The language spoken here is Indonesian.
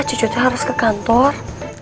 cucu harus ke kantor